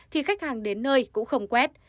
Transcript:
thì khách hàng đến nơi cũng không quét